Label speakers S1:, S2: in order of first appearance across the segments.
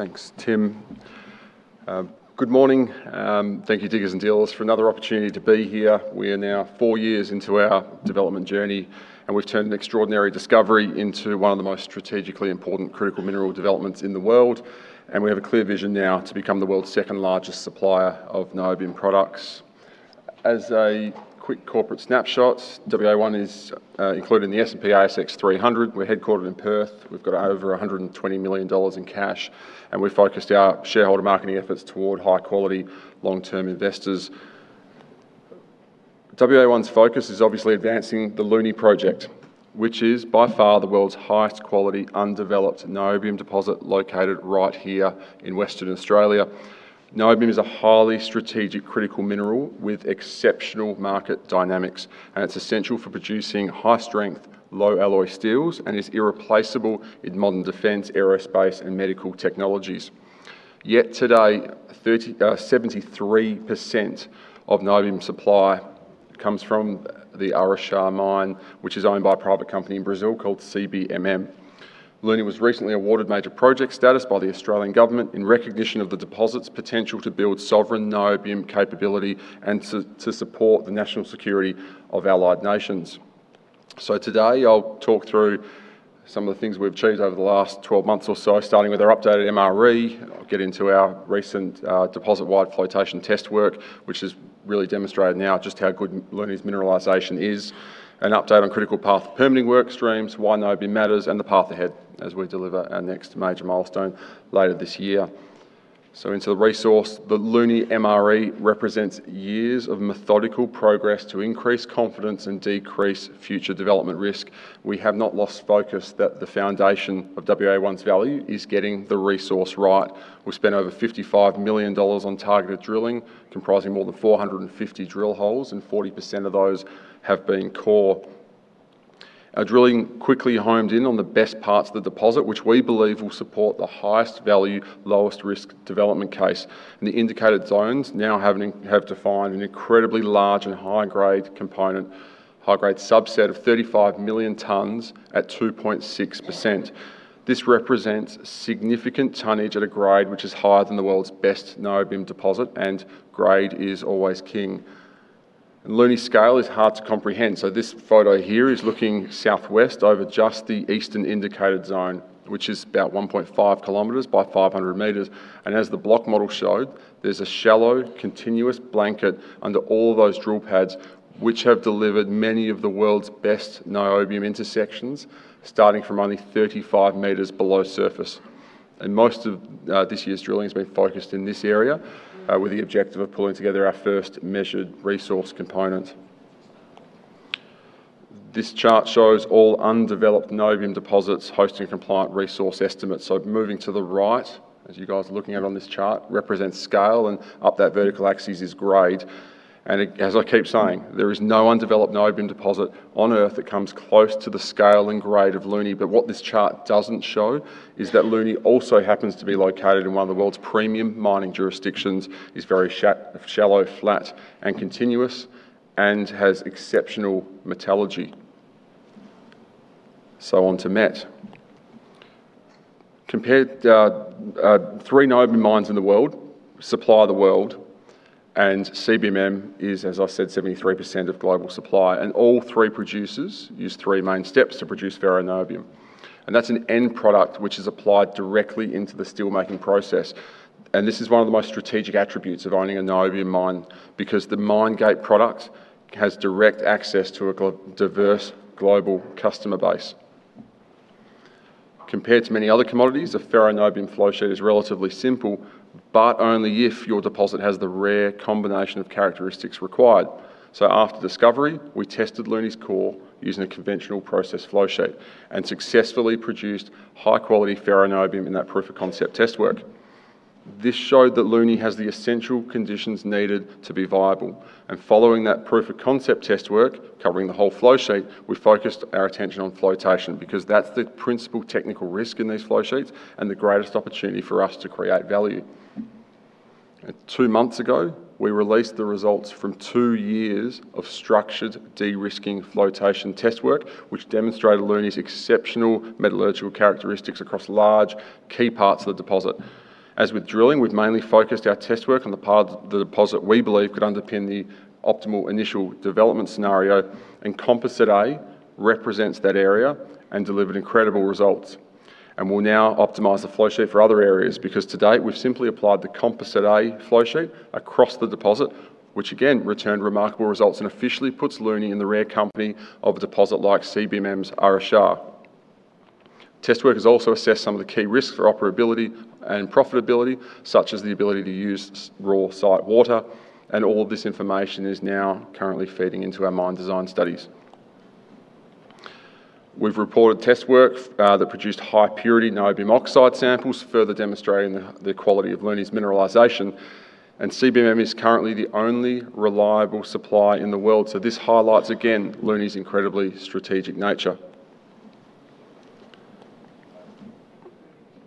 S1: Thanks, Tim. Good morning. Thank you, Diggers & Dealers, for another opportunity to be here. We are now four years into our development journey, we've turned an extraordinary discovery into one of the most strategically important critical mineral developments in the world. We have a clear vision now to become the world's second-largest supplier of niobium products. As a quick corporate snapshot, WA1 is included in the S&P/ASX 300. We're headquartered in Perth. We've got over 120 million dollars in cash, and we've focused our shareholder marketing efforts toward high-quality, long-term investors. WA1's focus is obviously advancing the Luni project, which is by far the world's highest quality undeveloped niobium deposit located right here in Western Australia. Niobium is a highly strategic critical mineral with exceptional market dynamics, and it's essential for producing high-strength, low-alloy steels and is irreplaceable in modern defense, aerospace, and medical technologies. Today, 73% of niobium supply comes from the Araxá mine, which is owned by a private company in Brazil called CBMM. Luni was recently awarded Major Project Status by the Australian government in recognition of the deposit's potential to build sovereign niobium capability and to support the national security of allied nations. Today, I'll talk through some of the things we've achieved over the last 12 months or so, starting with our updated MRE. I'll get into our recent deposit-wide flotation test work, which has really demonstrated now just how good Luni's mineralization is. An update on critical path permitting work streams, why niobium matters, and the path ahead as we deliver our next major milestone later this year. Into the resource. The Luni MRE represents years of methodical progress to increase confidence and decrease future development risk. We have not lost focus that the foundation of WA1's value is getting the resource right. We've spent over 55 million dollars on targeted drilling, comprising more than 450 drill holes, and 40% of those have been core. Our drilling quickly homed in on the best parts of the deposit, which we believe will support the highest-value, lowest-risk development case. The indicated zones now have defined an incredibly large and high-grade component, high-grade subset of 35 million tonnes at 2.6%. This represents significant tonnage at a grade which is higher than the world's best niobium deposit. Grade is always king. Luni's scale is hard to comprehend. This photo here is looking southwest over just the eastern indicated zone, which is about 1.5 km by 500 m. As the block model showed, there's a shallow, continuous blanket under all of those drill pads, which have delivered many of the world's best niobium intersections, starting from only 35 m below surface. Most of this year's drilling has been focused in this area with the objective of pulling together our first measured resource component. This chart shows all undeveloped niobium deposits hosting compliant resource estimates. Moving to the right, as you guys are looking at on this chart, represents scale, and up that vertical axis is grade. As I keep saying, there is no undeveloped niobium deposit on Earth that comes close to the scale and grade of Luni. What this chart doesn't show is that Luni also happens to be located in one of the world's premium mining jurisdictions, is very shallow, flat, and continuous, and has exceptional metallurgy. On to met. Three niobium mines in the world supply the world, CBMM is, as I said, 73% of global supply. All three producers use three main steps to produce ferroniobium. That's an end product which is applied directly into the steelmaking process. This is one of the most strategic attributes of owning a niobium mine because the mine gate product has direct access to a diverse global customer base. Compared to many other commodities, a ferroniobium flow sheet is relatively simple, but only if your deposit has the rare combination of characteristics required. After discovery, we tested Luni's core using a conventional process flow sheet and successfully produced high-quality ferroniobium in that proof-of-concept test work. This showed that Luni has the essential conditions needed to be viable. Following that proof-of-concept test work, covering the whole flow sheet, we focused our attention on flotation because that's the principal technical risk in these flow sheets and the greatest opportunity for us to create value. Two months ago, we released the results from two years of structured, de-risking flotation test work, which demonstrated Luni's exceptional metallurgical characteristics across large key parts of the deposit. As with drilling, we've mainly focused our test work on the part of the deposit we believe could underpin the optimal initial development scenario. Composite A represents that area and delivered incredible results. We'll now optimize the flow sheet for other areas because to date, we've simply applied the Composite A flow sheet across the deposit, which again, returned remarkable results and officially puts Luni in the rare company of a deposit like CBMM's Araxá. Test work has also assessed some of the key risks for operability and profitability, such as the ability to use raw site water. All of this information is now currently feeding into our mine design studies. We've reported test work that produced high-purity niobium oxide samples, further demonstrating the quality of Luni's mineralization. CBMM is currently the only reliable supplier in the world. This highlights, again, Luni's incredibly strategic nature.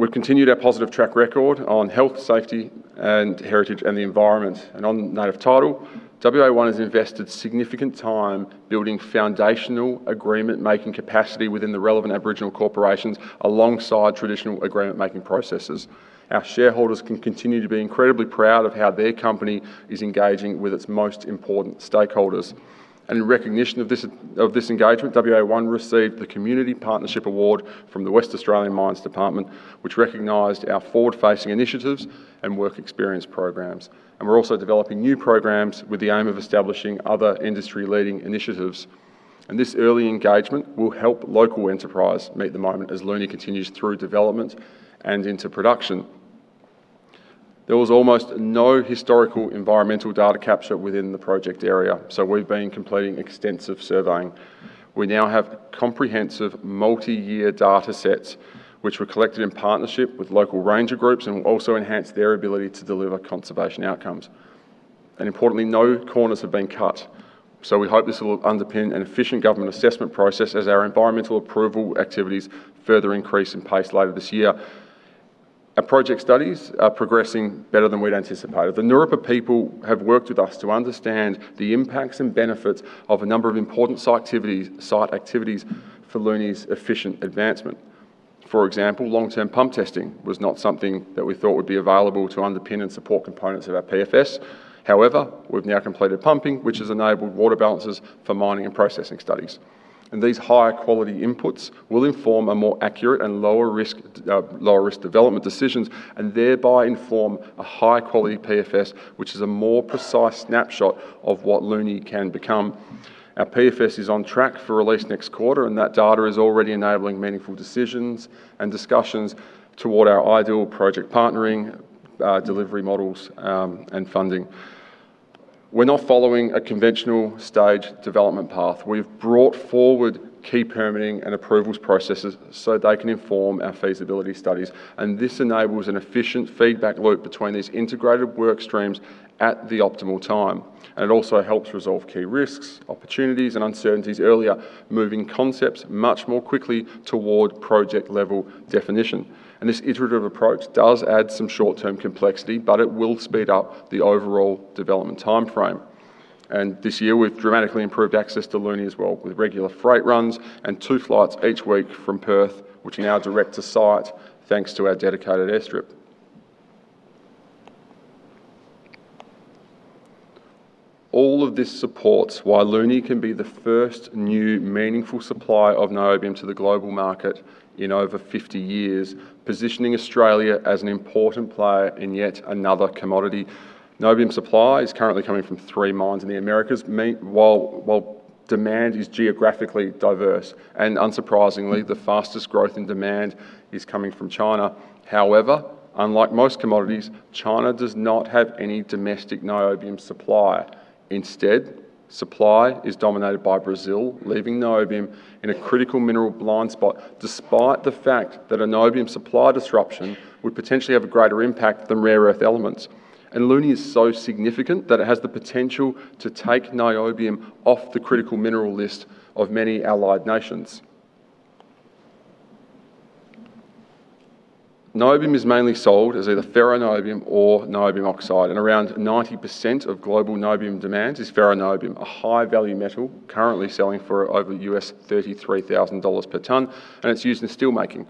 S1: We've continued our positive track record on health, safety, and heritage and the environment. On native title, WA1 has invested significant time building foundational agreement-making capacity within the relevant Aboriginal corporations alongside traditional agreement-making processes. Our shareholders can continue to be incredibly proud of how their company is engaging with its most important stakeholders. In recognition of this engagement, WA1 received the Community Partnership Award from the West Australian Mines Department, which recognized our forward-facing initiatives and work experience programs. We're also developing new programs with the aim of establishing other industry-leading initiatives. This early engagement will help local enterprise meet the moment as Luni continues through development and into production. There was almost no historical environmental data capture within the project area, so we've been completing extensive surveying. We now have comprehensive multi-year data sets, which were collected in partnership with local ranger groups and will also enhance their ability to deliver conservation outcomes. Importantly, no corners have been cut. We hope this will underpin an efficient government assessment process as our environmental approval activities further increase in pace later this year. Our project studies are progressing better than we'd anticipated. The Ngururrpa people have worked with us to understand the impacts and benefits of a number of important site activities for Luni's efficient advancement. For example, long-term pump testing was not something that we thought would be available to underpin and support components of our PFS. However, we've now completed pumping, which has enabled water balances for mining and processing studies. These higher-quality inputs will inform a more accurate and lower risk development decisions and thereby inform a high-quality PFS, which is a more precise snapshot of what Luni can become. Our PFS is on track for release next quarter. That data is already enabling meaningful decisions and discussions toward our ideal project partnering, delivery models, and funding. We're not following a conventional stage development path. We've brought forward key permitting and approvals processes so they can inform our feasibility studies. This enables an efficient feedback loop between these integrated work streams at the optimal time. It also helps resolve key risks, opportunities, and uncertainties earlier, moving concepts much more quickly toward project-level definition. This iterative approach does add some short-term complexity, but it will speed up the overall development timeframe. This year, we've dramatically improved access to Luni as well with regular freight runs and two flights each week from Perth, which are now direct to site thanks to our dedicated airstrip. All of this supports why Luni can be the first new meaningful supply of niobium to the global market in over 50 years, positioning Australia as an important player in yet another commodity. Niobium supply is currently coming from three mines in the Americas while demand is geographically diverse. Unsurprisingly, the fastest growth in demand is coming from China. However, unlike most commodities, China does not have any domestic niobium supply. Instead, supply is dominated by Brazil, leaving niobium in a critical mineral blind spot, despite the fact that a niobium supply disruption would potentially have a greater impact than rare earth elements. Luni is so significant that it has the potential to take niobium off the critical mineral list of many allied nations. Niobium is mainly sold as either ferroniobium or niobium oxide. Around 90% of global niobium demand is ferroniobium, a high-value metal currently selling for over $33,000 per ton. It's used in steelmaking.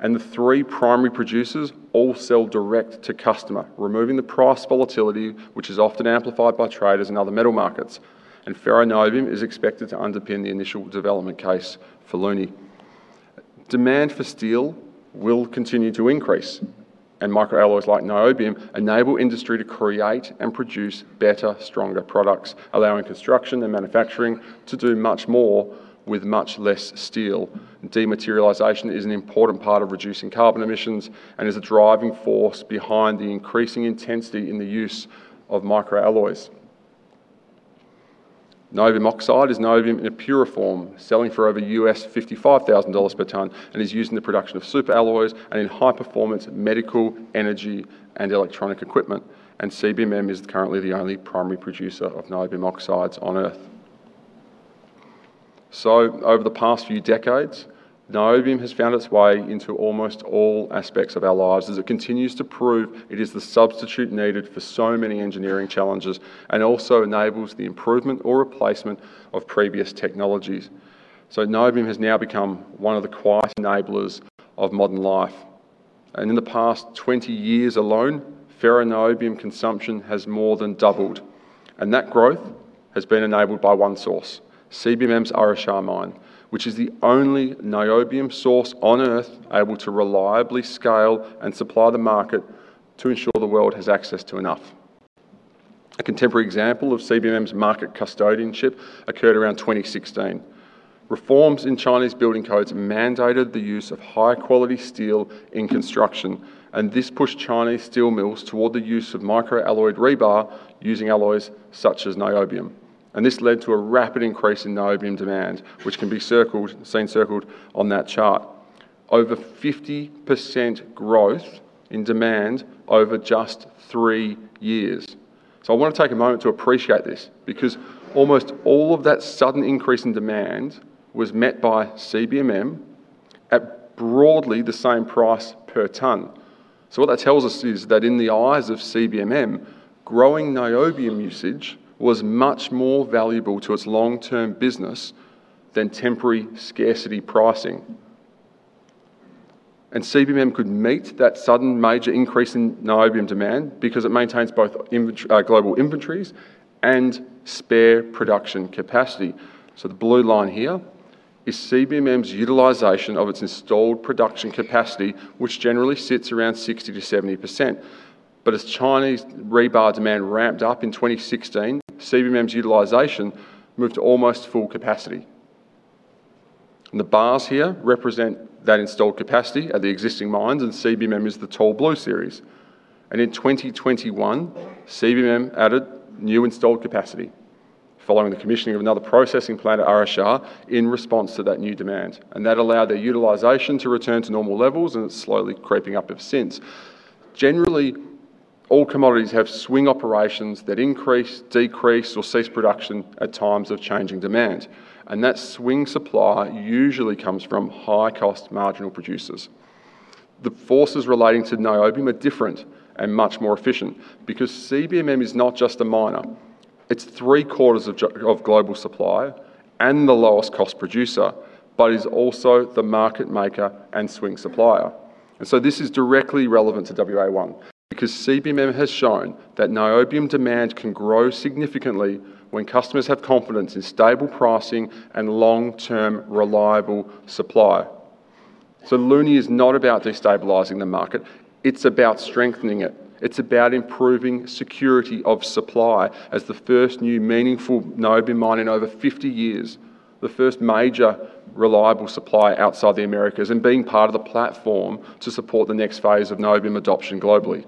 S1: The three primary producers all sell direct to customer, removing the price volatility, which is often amplified by traders in other metal markets. Ferroniobium is expected to underpin the initial development case for Luni. Demand for steel will continue to increase. Microalloys like niobium enable industry to create and produce better, stronger products, allowing construction and manufacturing to do much more with much less steel. Dematerialization is an important part of reducing carbon emissions and is a driving force behind the increasing intensity in the use of microalloys. Niobium oxide is niobium in a purer form, selling for over $55,000 per ton. It is used in the production of superalloys and in high-performance medical, energy, and electronic equipment. CBMM is currently the only primary producer of niobium oxides on Earth. Over the past few decades, niobium has found its way into almost all aspects of our lives as it continues to prove it is the substitute needed for so many engineering challenges and also enables the improvement or replacement of previous technologies. Niobium has now become one of the quiet enablers of modern life. In the past 20 years alone, ferroniobium consumption has more than doubled, and that growth has been enabled by one source: CBMM's Araxá mine, which is the only niobium source on Earth able to reliably scale and supply the market to ensure the world has access to enough. A contemporary example of CBMM's market custodianship occurred around 2016. Reforms in Chinese building codes mandated the use of higher-quality steel in construction. This pushed Chinese steel mills toward the use of micro-alloyed rebar using alloys such as niobium. This led to a rapid increase in niobium demand, which can be seen circled on that chart. Over 50% growth in demand over just three years. I want to take a moment to appreciate this, because almost all of that sudden increase in demand was met by CBMM at broadly the same price per ton. What that tells us is that in the eyes of CBMM, growing niobium usage was much more valuable to its long-term business than temporary scarcity pricing. CBMM could meet that sudden major increase in niobium demand because it maintains both global inventories and spare production capacity. The blue line here is CBMM's utilization of its installed production capacity, which generally sits around 60%-70%. As Chinese rebar demand ramped up in 2016, CBMM's utilization moved to almost full capacity. The bars here represent that installed capacity at the existing mines, and CBMM is the tall blue series. In 2021, CBMM added new installed capacity following the commissioning of another processing plant at Araxá in response to that new demand. That allowed their utilization to return to normal levels, and it's slowly creeping up ever since. Generally, all commodities have swing operations that increase, decrease or cease production at times of changing demand. That swing supply usually comes from high-cost marginal producers. The forces relating to niobium are different and much more efficient because CBMM is not just a miner. It's three-quarters of global supply and the lowest cost producer, but is also the market maker and swing supplier. This is directly relevant to WA1 because CBMM has shown that niobium demand can grow significantly when customers have confidence in stable pricing and long-term reliable supply. Luni is not about destabilizing the market, it's about strengthening it. It's about improving security of supply as the first new meaningful niobium mine in over 50 years, the first major reliable supply outside the Americas and being part of the platform to support the next phase of niobium adoption globally.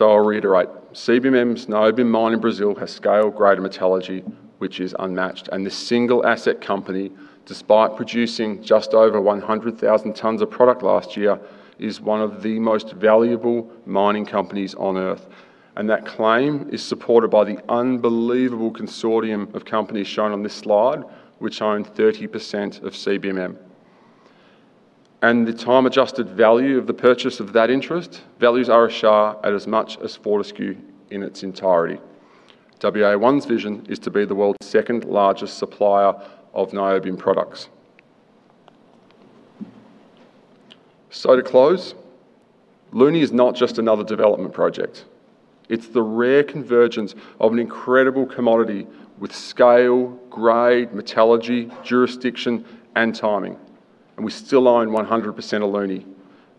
S1: I'll reiterate, CBMM's niobium mine in Brazil has scale, grade, and metallurgy which is unmatched. This single-asset company, despite producing just over 100,000 tons of product last year, is one of the most valuable mining companies on Earth. That claim is supported by the unbelievable consortium of companies shown on this slide, which own 30% of CBMM. The time adjusted value of the purchase of that interest values Araxá at as much as Fortescue in its entirety. WA1's vision is to be the world's second-largest supplier of niobium products. To close, Luni is not just another development project. It's the rare convergence of an incredible commodity with scale, grade, metallurgy, jurisdiction, and timing. We still own 100% of Luni.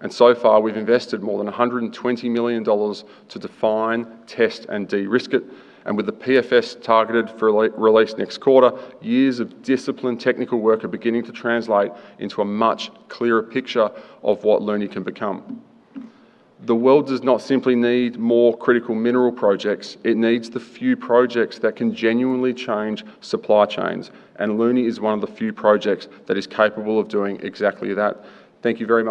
S1: So far, we've invested more than 120 million dollars to define, test, and de-risk it. With the PFS targeted for release next quarter, years of disciplined technical work are beginning to translate into a much clearer picture of what Luni can become. The world does not simply need more critical mineral projects. It needs the few projects that can genuinely change supply chains. Luni is one of the few projects that is capable of doing exactly that. Thank you very much